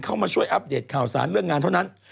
เข้ามาช่วยอัปเดตข่าวสารเรื่องงานเท่านั้น